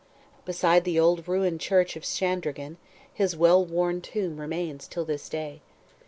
Beside the old ruined church of Shandraghan, his well worn tomb remains till this day.